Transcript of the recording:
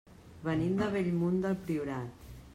Venim de Bellmunt del Priorat.